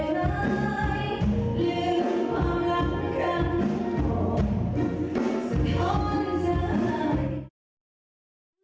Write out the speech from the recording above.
นี่มันหนู